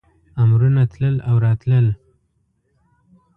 امرونه تلل او راتلل.